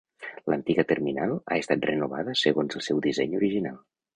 L'antiga terminal ha estat renovada segons el seu disseny original.